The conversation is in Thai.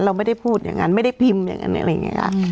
เราไม่ได้พูดอย่างนั้นไม่ได้พิมพ์อย่างนั้นอะไรอย่างนี้ค่ะ